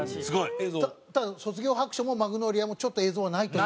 ただ『卒業白書』も『マグノリア』もちょっと映像がないという。